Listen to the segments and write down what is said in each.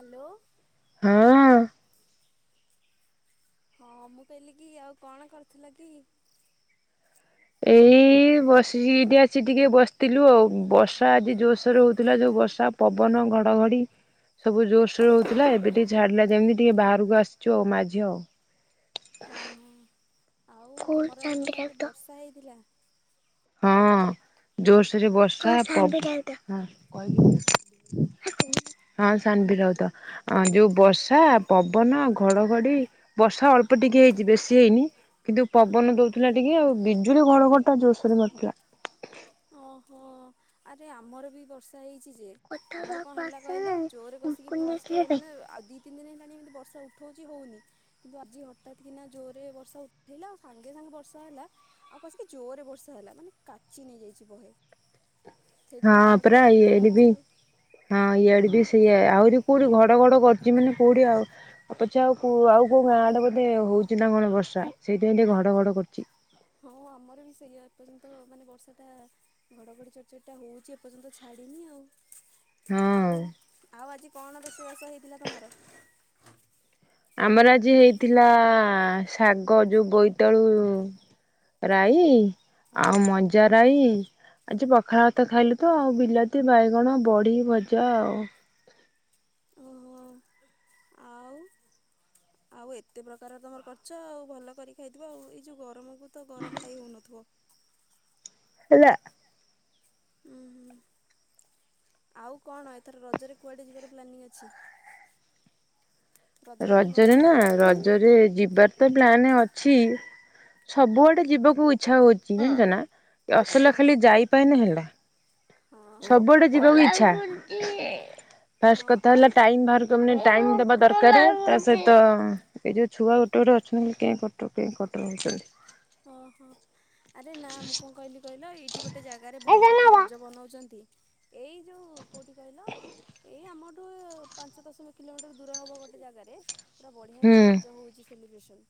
Hello. ହଁ। ହଁ ମୁଁ କହିଲି କି ଆଉ କଣ କରିଥିଲ କି? ଏଇ ବସିଚି ଏଠି ଆସି ଟିକେ ବସିଥିଲୁ ଆଉ ବର୍ସା ଆଜି। ଜୋର ସୋରେ ହଉଥିଲା ଯୋଉ ବର୍ଷା, ପବନ, ଘଡଘଡି। ସବୁ ଜୋରସୋର ହଉଥିଲା ଏବେ ଟିକେ ଛାଡ଼ିଲା ଯେମିତି ଟିକେ ବାହାରକୁ ଆସିଛୁ ଆଉ ମା ଝିଅ ଆଉ। ଓହୋ ଆଉ ତମର ଆଡେ ତାହେଲେ ବର୍ଷା ହେଇଥିଲା। ହଁ ଜୋରସୋରେ ବର୍ଷା ପ ହଁ କହିବୁ। ହଁ ସାନଭି ରାଉତ। ଅ ଯୋଉ ବର୍ଷା, ପବନ, ଘଡଘଡି ବର୍ଷା ଅଳ୍ପ ଟିକେ ହେଇଛି ବେଶୀ ହେଇନି। କିନ୍ତୁ ପବନ ଦଉଥିଲା ଟିକେ ଆଉ ବିଜୁଳି, ଘଡଘଡି ଟା ଜୋରସୋରେ ମାରୁଥିଲା। ଓହୋ ଆରେ ଆମର ବି ବର୍ଷା ହେଇଛି ଯେ। ଆମର କଣ ହେଲା କହିଲ ଜୋରେ ବସିକି ଫାର୍ଷ୍ଟ ମାନେ ଆ ଦି ତିନି ଦିନ ହେଲାଣି ଏମିତି ବର୍ଷା ଉଠଉଛି ହଉନି। କିନ୍ତୁ ଆଜି ହଠାତ୍ କିନା ଜୋରରେ ବର୍ଷା ଉଠେଇଲା ଆଉ ସାଙ୍ଗେ ସାଙ୍ଗେ ବର୍ଷା ହେଲା। ଆଉ କସିକି ଜୋରରେ ବର୍ଷା ହେଲା ମାନେ କାଚି ନେଇଯାଇଛି ବହେ। ହଁ ସେଇଥିପାଇଁ ପାଗଟା ଟିକେ ପରା ଥଣ୍ଡା ଇଆଡେ ବି। ଲାଗୁଛି ଆଉ ହଁ ଇଆଡେ ବି ସେଇଆ ଆହୁରି କୋଉଠି ଘଡ ଘଡ କରୁଛି ମାନେ କୋଉଠି ଆଉ। ଆଉ ପଛେ ଆଉ କୋଉ ଆଉ କୋଉ ଗାଁ ଆଡେ ବୋଧେ ହଉଛି ନା କଣ ବର୍ଷା ସେଇଥିପାଇଁ ଟିକେ ଘଡ ଘଡ କରୁଛି। ହଁ ଆମର ବି ସେଇଆ ଏପର୍ଯ୍ୟନ୍ତ ମାନେ ବର୍ଷା ଟା। ଘଡଘଡି ଚଡଚଡ଼ି ଟା ହଉଛି ଏପର୍ଯ୍ୟନ୍ତ ଛାଡିନି ଆଉ। ହଁ ଆଉ ଆଉ ଆଜି କଣ ରୋଷେଇବାସ ହେଇଥିଲା ତମର? ଆମର ଆଜି ହେଇଥିଲା ଶାଗ ଯୋଉ ବୋଇତାଳୁ। ରାଇ ଆଉ ମଞ୍ଜା ରାଇ। ଆଜି ପଖାଳ ଭାତ ଖାଇଲୁ ତ ଆଉ ବିଲାତି, ବାଇଗଣ, ବଡି ଭଜା ଆଉ। ଓହୋ ଆଉ। ଆଉ ଏତେ ପ୍ରକାର ତମର କରିଛ ଆଉ ଭଲ କରି ଖାଇଥିବ ଆଉ ଏଇ ଯୋଉ ଗରମକୁ। ତ ଗରମ ଖାଇ ହଉନଥିବ। ହେଲା। ଉଁ ହୁଁ। ଆଉ କଣ ଏଥର ରଜରେ କୁଆଡେ ଯିବାର ପ୍ଲାନିଂ ଅଛି? ରଜ କେମିତି ରଜରେ ମନେଇବ ନା ମ? ରଜରେ ଯିବାର ତ ପ୍ଲାନେ ଅଛି। ସବୁଆଡେ ଯିବାକୁ ଇଚ୍ଛା ହଉଛି ଜାଣିଚ ନା ଏ ହଁ ଅସଲ ଖାଲି ଯାଇ ପାଇନେ ହେଲା। ହଁ ସବୁଆଡେ ଯିବାକୁ ଇଚ୍ଛା ହଁ ଫାର୍ଷ୍ଟ କଥା ଆଉ ହେଲା ଟାଇମ୍ ବାହାର। ଛୁଆ ମାନେ ଟାଇମ ଦେବା ଦ ଦରକାରେ ତା ସହିତ ଏ ଯୋଉ ଛୁଆ ଗୋଟେ ଗୋଟେ ଅଛନ୍ତି କେଁ କଟର କେଁ କଟର ହଉଛନ୍ତି। ଅ ହ। ଆରେ ନା ମୁଁ କଣ କହିଲି କହିଲ ଏଇଠି ଗୋଟେ ଜାଗାରେ ଭଲ କି ରଜ ମନଉଛନ୍ତି। ଏଇ ଯୋଉ କଉଠି କହିଲ ଏଇ ଆମଠୁ। ପାଞ୍ଚ ଦଶ ମି କିଲୋମିଟର ଦୂର ହବ ଗୋଟେ ଜାଗାରେ ପୁରା ବଢିଆ ହୁଁ କି ରଜ ହଉଛି। ସେଲିବ୍ରେଶନ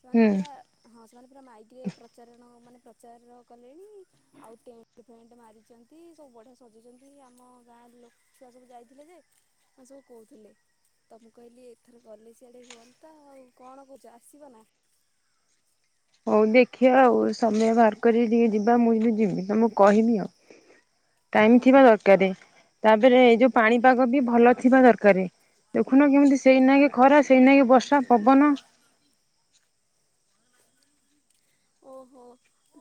ସେମାନେ ହୁଁ ପୁରା ହଁ ସେମାନେ ପୁରା ମାଇ କିଏ ପ୍ରଚାରଣ ମାନେ ପ୍ରଚାର କଲେଣି। ଆଉ ଟେଣ୍ଟ ଫେଣ୍ଟ ମାରିଛନ୍ତି ସବୁ ବଢିଆ ସଜେଇଛନ୍ତି ଆମ ଗାଁ ଲୋ ଛୁଆ ସବୁ ଯାଇଥିଲେ ଯେ ମାନେ ସବୁ କହୁଥିଲେ। ତ ମୁଁ କହିଲି ଏଥର ଗଲେ ସିଆଡ଼େ ହୁଅନ୍ତା। ଆଉ କଣ କହୁଛ ଆସିବ ନା? ହଉ ଦେଖିବା ଆଉ ସମୟ ବାହାର କରି ଟିକେ ଯିବା ମୁଇଁ [unintelligible] ଯିବି ତମକୁ କହିବି ଆଉ। [inaudible] ଟାଇମ୍ ଥିବା ଦରକାରେ ତାପରେ ଏଇ ଯୋଉ ପାଣିପାଗ ବି ଭଲ ଥିବା ଦରକାରେ। ଦେଖୁନ କେମିତି ସେଇ ନାକେ ଖରା ସେଇନାକେ ବର୍ଷା ପବନ। ଓହୋ।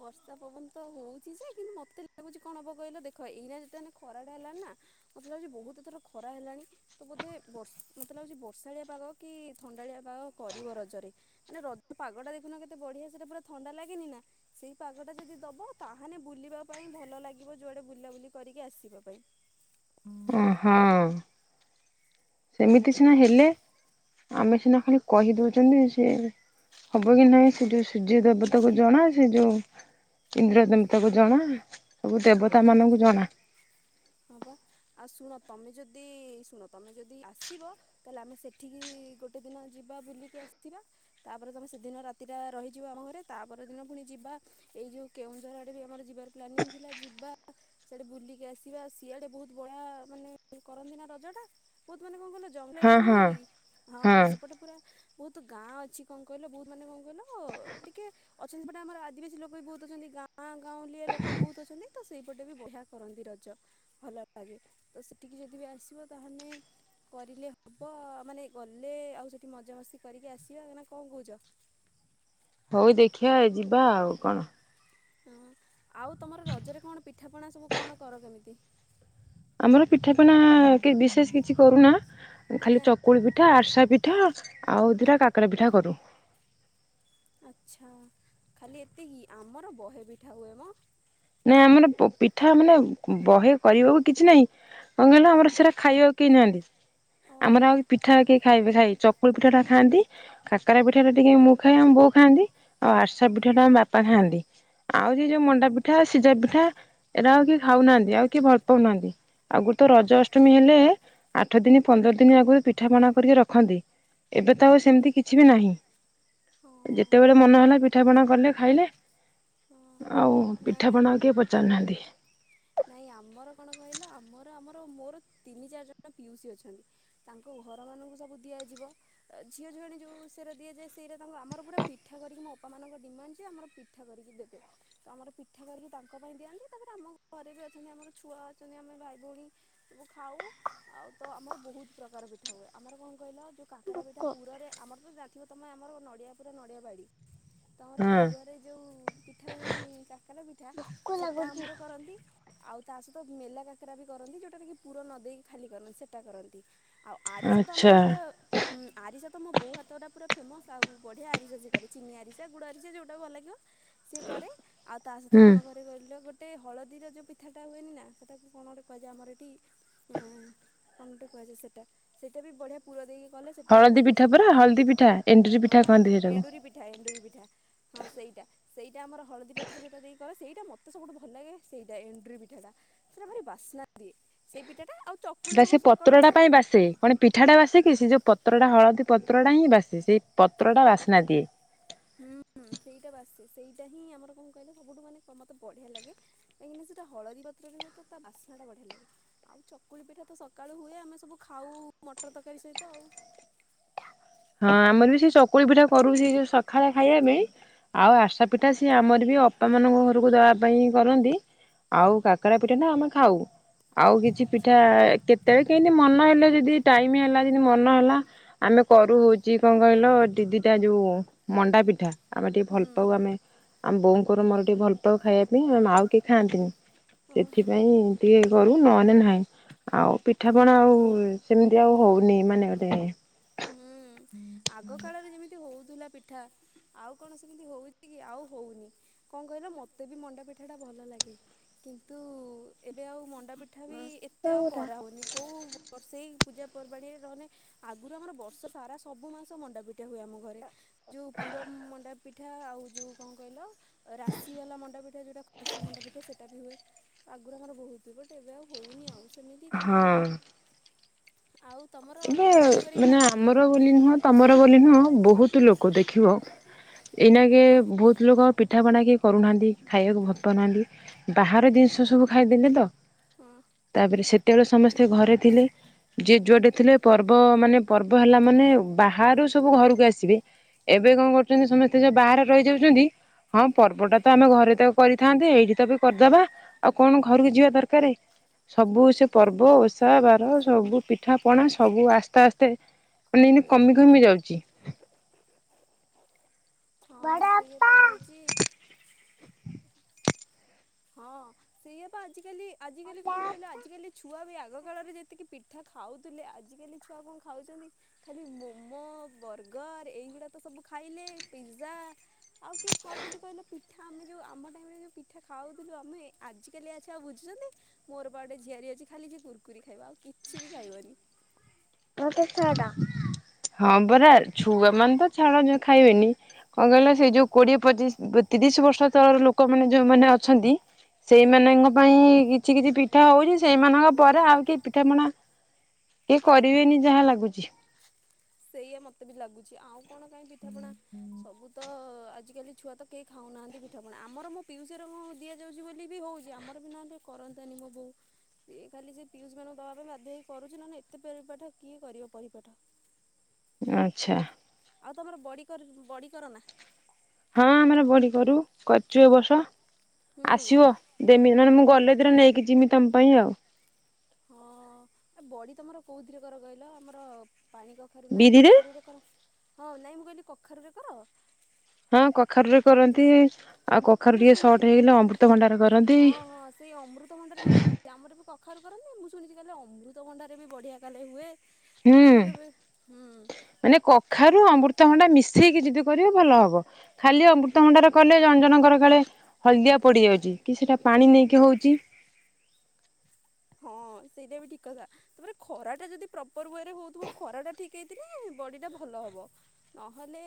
ବର୍ଷା ପବନ ତ ହଉଛି ଯେ କିନ୍ତୁ ମତେ ଲାଗୁଛି କଣ ହବ କହିଲ ଦେଖ ଏଇନା ଯେତେ ହେନେ ଖରାଟା ହେଲା ନା ମତେ ଲାଗୁଛି ବହୁତ୍ ଏଥର ଖରା ହେଲାଣି ତ ବୋଧେ ବର୍ଷ ମତେ ଲାଗୁଛି ବର୍ଷାଳିଆ ପାଗ କି ଥଣ୍ଡାଳିଆ ପାଗ କରିବ ରଜରେ। ମାନେ ରଜ ପାଗଟା ଦେଖୁନ କେତେ ବଢିଆ ସେଟା ପୁରା ଥଣ୍ଡା ଲାଗେନି ନା? ସେଇ ପାଗଟା ଯଦି ଦବ ତାହେଲେ ବୁଲିବା ପାଇଁ ଭଲ ଲାଗିବ ଯୁଆଡେ ବୁଲାବୁଲି କରିକି ଆସିବା ପାଇଁ। ଅଁ ହଁ ସେମିତି ସିନା ହେଲେ। ଆମେ ସିନା ଖାଲି କହି ଦଉଚନ୍ତି ସିଏ ହବ କି ନାଇଁ ସେ ଯୋଉ ସୂର୍ଯ୍ୟ ଦେବତାକୁ ଜଣା ସେ ଯୋଉ ଇନ୍ଦ୍ର ଦେବତାକୁ ଜଣା ସବୁ ଦେବତା ହଁ ମାନଙ୍କୁ ଜଣା। ହଁ ପା ଆଉ ଶୁଣ ତମେ ଯଦି ଶୁଣ ତମେ ଯଦି ଆସିବ ତାହେଲେ ଆମେ ସେଠିକି ଗୋଟେ ଦିନ ଯିବା ବୁଲିକି ଆସିବା। ତାପରେ ତମେ ସେଦିନ ରାତିଟା ରହିଯିବ ଆମ ଘରେ ତାପରଦିନ ପୁଣି ଯିବା ଏଇ ଯୋଉ କେଉଁଝର ଆଡେ ବି ଆମର ଯିବାର ପ୍ଲାନିଙ୍ଗ୍ ଥିଲା ଯିବା ସେଆଡେ ବୁଲିକି ଆସ ଜିବା ସିଆଡେ ବହୁତ୍ ବଢିଆ ମାନେ କରନ୍ତି ନା ରଜ ଟା ବହୁତ୍ ମାନେ କଣ କହିଲ ଯ ଜଙ୍ଗଲ ହଁ ଏରିଆ ନୁହେଁ ହଁ କି ହଁ ସେପଟେ ପୁରା ବହୁତ୍ ଗାଁ ଅଛି କଣ କହିଲ ବହୁତ୍ ମାନେ କଣ କହିଲ ଟିକେ ଅଛନ୍ତି ଏପଟେ ଆମର ଆଦିବାସୀ ଲୋକ ବି ବହୁତ୍ ଅଛନ୍ତି ଗାଁ ଗାଁ ଗାଁଉଁଲିଆ ଲୋକ ବି ବହୁତ୍ ଅଛନ୍ତି ତ ସେଇପଟେ ବି ବଢିଆ କରନ୍ତି ରଜ। ଭଲ ଲାଗେ ତ ସେଠିକି ଯଦି ବି ଆସିବ ତାହେନେ କରିଲେ ହବ ମାନେ ଗଲେ ଆଉ ସେଠି ମଜାମସ୍ତି କରିକି ଆସିବା ନା କଣ କହୁଛ? ହଉ ଦେଖିଆ ଯିବା ଆଉ କଣ। ହଁ ଆଉ ତମର ରଜରେ କଣ ପିଠାପଣା ସବୁ କଣ କର କେମିତି। ଆମର ପିଠାପଣା କେ ବିଶେଷ କିଛି କରୁନା ଖାଲି ଆଜ୍ଞା ଚ ଚକୁଳି ପିଠା ଆରିସା ପିଠା ଆଉ ଦିଇଟା କାକେରା ପିଠା କରୁ। ଆଚ୍ଛା ଖାଲି ଏତିକି ଆମର ବହେ ପିଠା ହୁଏ ମ। ନାଇଁ ଆମର ପ ପିଠା ମାନେ ବହେ କରିବାକୁ କିଛି ନାହିଁ କଣ କହିଲ ଆମର ସେରା ଖାଇବାକୁ କେହି ନାହାଁନ୍ତି ଓହୋ ଆମର ଆଉରି ପି ପିଠା କିଏ ଖାଇବେ ଖାଇ ଚକୁଳି ପିଠା ଟା ଖାଆନ୍ତି। କାକରା ପିଠାଟା ଟିକେ ମୁଁ ଖାଏ ଆମ ବୋଉ ଖାଆନ୍ତି ଆଉ ଆର୍ସା ପିଠାଟା ଆମ ବାପା ଖାଆନ୍ତି। ଆଉ ସେ ଯୋଉ ଓ ମଣ୍ଡା ପିଠା ସିଜା ପିଠା ଏରା ଆଉ କିଏ ଖାଉ ନାହାଁନ୍ତି ଆଉ କିଏ ଭଲ ପାଉ ନାହାଁନ୍ତି। ଆଗୁରୁ ତ ରଜ ଅଷ୍ଟମୀ ହେଲେ ଆଠ ଦିନି ପନ୍ଦର ଦିନି ଆଗରୁ ପିଠା ପଣା କରିକି ରଖନ୍ତି। ଏବେ ତ ଆଉ ସେମିତି କିଛି ବି ନାହିଁ। ହଁ ଯେତେବେଳେ ଠିକ ମନ କଥା। ହେଲା ପିଠା ପଣା କଲେ ଖାଇଲେ ହଁ ଆଉ ନା ପି ନା ଆଉ କେହି ପଚାରୁ ନାହାଁନ୍ତି। ନାଇଁ ଆମର କଣ କହିଲ ଆମର ଆମର ମୋର ତିନି ଚାରି ଜଣ ପିଉସି ଅଛନ୍ତି। ତାଙ୍କ ଘର ମାନଙ୍କୁ ସବୁ ଦିଆଯିବ। ଝିଅ ଝିଆଣି ଯଉ ସେରା ଦିଆଯାଏ ସେଇରା ତାଙ୍କ ଆମର ପୁରା ପିଠା କରିକି ମୋ ଆପା ମାନଙ୍କ ଡିମାଣ୍ଡ୍ ଯେ ଆମର ପି ପିଠା କରିକି ଦେବେ ତ ଆମର ପିଠା କରିକି ତାଙ୍କ ପାଇଁ ଦିଅନ୍ତି ତାପରେ ଆମ ଘରେ ବି ଅଛନ୍ତି ଆମର ଛୁଆ ଅଛନ୍ତି ଆମେ ଭାଇ ଭଉଣୀ ସବୁ ଖାଉ ଆଉ ତ ଆମର ବହୁତ୍ ପ୍ରକାର ପିଠା ହୁଏ ଆମର କଣ କହିଲ ଯୋ କାକରା ପିଠା ପୁରରେ ଆମର ତ ଜାଣିଥିବ ତମେ ଆମର ନଡିଆ ପୁର ନଡିଆ ବାଡି। ତ ଆମର ହଁ ପୁରରେ ଯୋଉ ପିଠା ହୁଏନି କାକରା ପିଠା ସେଟା ଆମର କରନ୍ତି ଆଉ ତା ସହିତ ମେଲା କାକରା ବି କରନ୍ତି ଯୋଉଟାରେ କି ପୁରା ନ ଦେଇକି ଖାଲି କରନ୍ତି ସେଟା କରନ୍ତି। ଆଉ ଆରିସା ତ ଆଚ୍ଛା ଆମର ପୁରା ହୁଁ ଆରିସା ତ ମୋ ବୋଉ ହାତଟା ପୁରା ଫେମସ୍ ଆଉ ବଢିଆ ଆରିସା ସେ କରେ ଚିନି ଆରିସା ଗୁଡ ଆରିସା ଯୋଉଟା ଭଲ ଲାଗିବ। ସିଏ କରେ ଆଉ ତା ସହିତ ହୁଁ କଣ କରେ କହିଲ ଗୋଟେ ହଳ ଦିରେ ଯୋଉ ପିଠାଟା ହୁଏନି ନା ସେଟାକୁ କଣ ଗୋଟେ କୁହଯାଏ ଆମର ଏଠି ଏଁ ଫନୋଟେ କୁହାଯାଏ ସେଟା ସେଇଟା ବି ବଢ଼ିଆ ପୁର ଦେଇକି କଲେ ସେଟା ବି ହଳଦୀ ବଢିଆ ପିଠା ଟେଷ୍ଟ ପରା ହଳଦୀ ପିଠା ଏଣ୍ଡୁରି ପିଠା ହଁ କହନ୍ତି ସେଇଟାକୁ। ଏଣ୍ଡୁରି ପିଠା ଏଣ୍ଡୁରି ପିଠା। ହଁ ସେଇଟା ସେଇଟା ଆମର ହଳଦୀ ପତ୍ର ଯୋଉଟା ଦେଇକି କ ସେଇଟା ମତେ ସବୁଠୁ ଭଲ ଲାଗେ। ସେଇଟା ଏଣ୍ଡୁରି ପିଠାଟା ସେଟା ଭାରି ବାସ୍ନା ଦିଏ। ସେଇ ପିଠାଟା ଆଉ ଚ ସେ ପତ୍ରଟା ପାଇଁ ବାସେ। କଣ ପିଠାଟା ବାସେ କିି ସେ ଯେଉଁ ପତ୍ରଟା ହଳଦୀ ପତ୍ରଟା ହିଁ ବାସେ ସେଇ ପତ୍ରଟା ବାସ୍ନା ଦିଏ। ହୁଁ ସେଇଟା ବାସେ ସେଇଟା ହିଁ ଆମର କଣ କହିଲେ ସବୁଠୁ ମାନେ ମତେ ବଢିଆ ଲାଗେ। କାହିଁକିନା ସେଟା ହଳଦୀ ପତ୍ରରେ ହୁଏ ତା ବାସ୍ନା ବଢିଆ ଲାଗେ। ଆଉ ଚକୁଳି ପିଠା ତ ସକାଳୁ ହୁଏ ଆମେ ସବୁ ଖାଉ ମଟର ତରକାରୀ ସହିତ ଆଉ। ହଁ ଆମର ବି ସେଇ ଚକୁଳି ପିଠା କରୁ ସେ ଯୋଉ ସକାଳେ ଖାଇବା ପାଇଁ। ଆଉ ଆସା ପିଠା ସିଏ ଆମର ବି ଅପା ମାନଙ୍କ ଘରକୁ ଦବା ପାଇଁ କରନ୍ତି। ଆଉ କାକରା ପିଠା ନା ଆମେ ଖାଉ। ଆଉ କିଛି ଆଚ୍ଛା ପିଠା କେ ସେତେବେଳେ କେମତି ମନ ହେଲେ ଯଦି ଟାଇମ ହେଲା ମନେ ହେଲା ଆମେ କରରୁ ହଉଛି କଣ କହିଲ ଦି ଦିଟା ଯୋଉ ମଣ୍ଡା ପିଠା ଆମେ ଟିକେ ଭଲ ପାଉ ହୁଁ ଆମେ ଏ ଆମ ବୋଉଙ୍କର ମୋର ଟିକେ ଭଲ ପାଉ ଖାଇବା ପାଇଁ ଆ ଆଉ କିଏ ଖାଆନ୍ତିନି ଓହୋ ସେଥିପାଇଁ ଟିକଏ କରୁ ନହେଲେେ ନାହିଁ। ଆଉ ପିଠାପଣା ଆଉ ସେମିତି ଆଉ ହଉନି ମାନେ ଗୋଟେ ହୁଁ ଆଗ କାଳରେ ଯେମିତି ହଉଥିଲା ପିଠା ଆଉ କଣ ସେମିତି ହେଉଛି କି ଆଉ ହଉନି କଣ କହିଲା ମୋତେ ବି ମଣ୍ଡା ପିଠାଟା ଭଲ ଲାଗେ। କିନ୍ତୁ ଏବେ ଆଉ ମଣ୍ଡାପିଠ ଠା ବି ଏତେ ଆଉ କରାହଉନି। କୋଉ ବର୍ଷେ ଏଇ ପୂଜାପର୍ବାଣୀ ରେ ରହିନେ ଆ ଗୁରୁ ଆମର ବର୍ଷ ସାରା ସବୁ ମାସ ମଣ୍ଡାପିଠା ହୁଏ ଆମ ଘରେ। ଯୋଉ ପୁର ମଣ୍ଡା ପିଠା ଆଉ ଯୋଉ କଣ କହିଲ ରାଶି ବାଲା ମଣ୍ଡା ପୀଠା ଯୋଉଟା ଖଶା ମଣ୍ଡପିଠା ସେଇଟା ବି ହୁଏ। ଆଗରୁ ଆମର ବହୁତ ହୁଏ। ବଟ ଏବେ ଆଉ ହଉନି ଆଉ ସେମିତି କାଁ ହଁ। ମ୍ଭା ଆଉ ତମର ଏବେ ଚ ମାନେ ଆମର ବୋଲି ନୁହଁ ତମର ବୋଲି ନୁହଁ ବହୁତ ଲୋକ ଦେଖିବ ଏଇନାକେ ବହୁତ ଲୋକ ପିଠାପଣା କିଏ କରୁନାହାଁନ୍ତି ଖାଇବାକୁ ଭଲ ପାଉନାହାନ୍ତି। ବାହାର ଜିନିଷ ସବୁ ଖାଇଦେଲେ ତ ହଁ। ତାପରେ ସେତେବେଳେ ସମସ୍ତେ ଘରେ ଥିଲେ ଯେ ଯୁଆଡେ ଥିଲେ ପର୍ବ ମାନେ ପର୍ବ ହେଲା ମାନେ ବାହାରୁ ସବୁ ଘରକୁ ଆସିବେ। ଏବେ କଣ କରୁଛନ୍ତି ସମସ୍ତେ ଯୋଉ ବାହାରେ ରହିଯାଉଛନ୍ତି ହଁ ପର୍ବ ଟା ତ ଆମେ ଘରେ ତାକୁ କରିଥାନ୍ତେ ଏଇଠି ତ ବି କରିଦବା। ଆଉ କଣ ଘରକୁ ଯିବା ଦରକାର ସବୁ ସେ ପର୍ବ ଓଷା ବାର ସବୁ ପିଠା ପଣା ସବୁ ଆସ୍ତେ ଆସ୍ତେ ମାନେ ଏନ୍ତି କମି କମି ଯାଉଛି। ହଁ ସେଇଆ ତ ହଉଛି। ହଁ ସେଇଆ ପା ଆଜିକାଲି ଆଜିକାଲି କଣ କହିଲ ଆଜିକାଲି ଛୁଆ ବି ଆଗ କାଳରେ ଯେତିକି ପିଠା ଖାଉଥିଲେ ଆଜିକାଲି ଛୁଆ କଣ ଖାଉଛନ୍ତି। ଖାଲି ମୋମୋ ବର୍ଗର ଏଇଗୁଡା ତ ସବୁ ଖାଇଲେ ପିଜା। ଆଉ କିଏ ଖାଉଛନ୍ତି କହିଲେ ପିଠା ଆମେ ଯଉ ଆମ ଟାଇମରେ ଯଉ ପିଠା ଖାଉଥିଲୁ ଆମେ ଆଜିକାଲିକା ଛୁଆ ଆଉ ବୁଝୁଛନ୍ତି। ମୋର ବା ଗୋଟେ ଝିଆରି ଅଛି ଖାଲି ସେ କୁର୍କୁୀରି ଖାଇବ ଆଉ କିଛି ବି ଖାଇବନି। ହଁ ପରା ଛୁଆ ମାନେ ତ ଛାଡ ଖାଇବେନି। କଣ କହିଲ ସେଇ ଯୋଉ କୋଡିଏ ପଚିଶ ତିରିଶ ବର୍ଷ ତଳର ଲୋକମାନେ ଯୋଉମାନେ ଅଛନ୍ତି ସେଇମାନଙ୍କ ପାଇଁ କିଛି କିଛି ପିଠା ହେଉଛି ସେଇମାନଙ୍କ ପରେ ଆଉ କେହି ପିଠାପଣା କିଏ କରିବେନି ଯାହା ଲାଗୁଛି। ସେଇଆ ମତେ ବି ଲାଗୁଛି। ଆଉ କଣ କାହିଁ ପିଠାପଣା ସବୁ ତ ଆଜିକାଲି ଛୁଆ ତ କେହି ଖାଉନାହାଁନ୍ତି ପିଠାପଣା ଆମର ମୋ ପିଉସି ଘର ଦିଆଯାଉଛି ବୋଲି ବି ହଉଛି। ଆମର ବି ନହେଲେ କରନ୍ତାନି ମୋ ବୋଉ। ସିଏ ଖାଲି ସେ ପିଉସି ମାନଙ୍କୁ ଦେବା ପାଇଁ ବାଧ୍ୟ ହେଇକି କରୁଛି। ନହେଲେ ଏତେ ପେରିପାଠ କିଏ କରିବ ପରିପାଠ। ଆଚ୍ଛା। ଆଉ ତମର ବଡ଼ି କର୍ ବଡ଼ି କର ନା? ହଁ ଆମର ବଡ଼ି କରୁ କରିଛୁ ଏ ବର୍ଷ ହୁଁ ଆସିବ। ଦେମି ନହେଲେ ମୁଁ ଗଲେଥିରେ ନେଇକି ଯିବି ତମ ପାଇଁ ଆଉ। ହଁ ଆ ବଡ଼ି ତମର କୋଉଥିରେ କର କହିଲ ଆମର ପାଣି କ କାରୁ ନା ବିରିରେ କଖାରୁରେ କର ହଁ ନାଇଁ ମୁଁ କହିଲି କଖାରୁରେ କର? ହଁ କଖାରୁ ରେ କରନ୍ତି ଆଉ କଖାରୁ ମୁଁ ଟିକେ ଶୁଣିଛି ସର୍ଟ ହେଇଗଲେ ଅମୃତ ଭଣ୍ଡାର ହଁ ହଁ ସେଇ ଅମୃତଭଣ୍ଡାରେ କରନ୍ତି। ଆମର ବି କଖାରୁ କରନ୍ତି ମୁଁ ଶୁଣିଛି କାଲେ ଅମୃତଭଣ୍ଡାରେ ବି ବଢ଼ିଆ କାଲେ ହୁଏ। ଯେ ମୁଁ ହୁଁ କେବେ ହୁଁ ଖାରୁ ଅମୃତଭଣ୍ଡା ମିଶେଇକି ଯଦି କରିବେ ଭଲ ହବ ଖାଲି ଅମୃତଭଣ୍ଡାର କଲେ ଜଜଣକର କାଳେ ହଳଦିଆ ପଡ଼ିଯାଉଛି କିଛିଟା ପାଣି ନେଇକି ହଉଚି ହଁ ସେଇଟା ବି ଠିକ୍ କଥା। ତାପରେ ଖରା ଟା ଯଦି ପ୍ରପର ୱେରେ ହଉଥିବ ଖରା ଟା ଠିକ୍ ହେଇଥିଲେ ବଡ଼ି ଟା ଭଲ ହବ। ନହେଲେ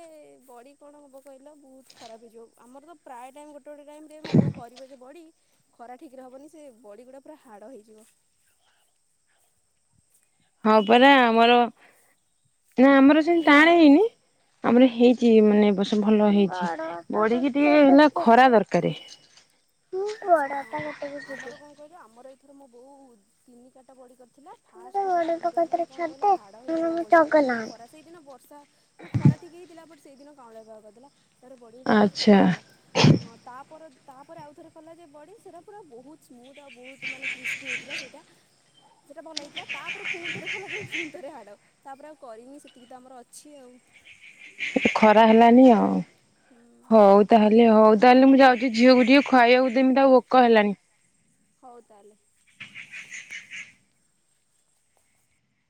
ବଡ଼ି କଣ ହବ କହିଲ ବହୁତ ଖରାପ ହେଇଯିବ ଆମର ତ ପ୍ରାୟ ଟାଇମ୍ ଗୋଟେ ଗୋଟେ ଟାଇମ୍ ରେ ମୁଁ ବୋଉ କରିବ ଯେ ବଡ଼ି ଖରା ଠିକେ ହେବନି ସେ ବଡ଼ିଗୁଡ଼ା ପୁରା ହାଡ଼ ହେଇଯିବ। ହଁ ପରା ଆମର ନା ଆମର ସେମିତି ଟାଣ ହେଇନି ଆମର ହେଇଛି ମାନେ ବର୍ଷ ଭଲ ହେଇଛି ବଡ଼ିକି ଟିକେ ଏଇନା ଖରା ଦରକାରେ। ଆଚ୍ଛା ହଁ ଆମର କଣ କହିଲ ଆମର ଏଥର ମୋ ବୋଉ ତିନି ଚାରଟା ବଡ଼ି କରିଥିଲା ଫାଷ୍ଟ ଫାଟଟା ପୁରା ମାନେ କଣ କହିଲ ହାଡ଼ ହେଇଗଲା ବଡ଼ି ଟା ଭଲ ଖରା ସେଇଦିନ ବର୍ଷା ମାନେ ଖରା ଠିକ୍ ହେଇଥିଲା ବଟ୍ ସେଇଦିନ କାଉଁଳିଆ ପାଗ କରିଦେଲା। ତାର ବଡ଼ି ଗୁଡା ପୁରା ଖରାପ ଆଚ୍ଛା ହେଇଗଲା ହଁ ତାପର ତାପରେ ଆଉଥରେ କଲା ଯେ ବଡ଼ି ସେରା ପୁରା ବହୁତ ସ୍ମୁଦ୍ ଆଉ ବହୁତ ମାନେ କ୍ରିସ୍ପି ହେଇଥିଲା ସେଇଟା ସେଟା ଭଲ ହେଇଥିଲା ତାପରେ ପୁଣିଥରେ କଲା ଯଉ ପୁଣିଥରେ ହାଡ଼। ତାପରେ ଆଉ କରିନି ସେତିକି ତ ଆମର ଅଛି ଆଉ। ଖରା ହେଲାନି ଆଉ ହୁଁ ହଉ ତାହେଲେ ହଉ ତାହେଲେ ମୁଁ ଯାଉଛି ଝିଅକୁ ଟିକେ ଖୁଆଇବାକୁ ଦେମୀ ତାକୁ ଭୋକ ହେଲାଣି। ହଉ ତାହେଲେ